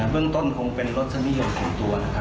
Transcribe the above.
เบื้องต้นคงเป็นรสชะมีหิวเป็นตัวนะคะ